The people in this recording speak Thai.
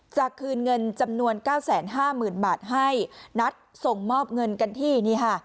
จะคืนเงินจำนวน๙๕๐๐๐บาทให้นัดส่งมอบเงินกันที่